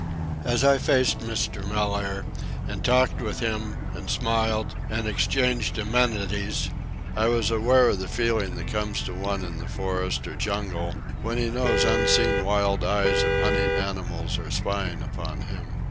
As I faced Mr. Mellaire, and talked with him, and smiled, and exchanged amenities, I was aware of the feeling that comes to one in the forest or jungle when he knows unseen wild eyes of hunting animals are spying upon him.